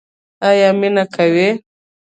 ایا مینه کوئ؟